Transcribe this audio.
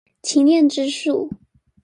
祈念之樹